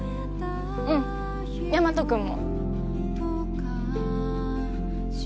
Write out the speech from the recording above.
うん大和君も